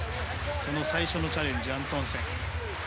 その最初のチャレンジアントンセン。